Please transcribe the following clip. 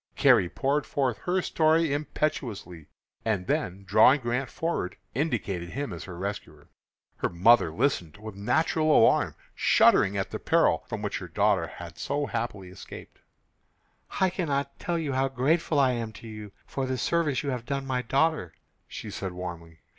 Carrie poured forth her story impetuously, and then drawing Grant forward, indicated him as her rescuer. Her mother listened with natural alarm, shuddering at the peril from which her daughter had so happily escaped. "I cannot tell how grateful I am to you for the service you have done my daughter," she said, warmly.